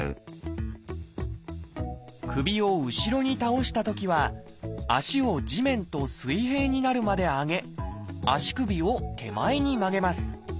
首を後ろに倒したときは足を地面と水平になるまで上げ足首を手前に曲げます。